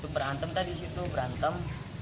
berantem tadi situ berantem